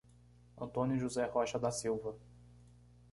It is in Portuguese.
Antônio José Rocha da Silva